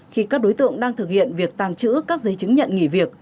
khi các đối tượng đang thực hiện việc tàng trữ các giấy chứng nhận nghỉ việc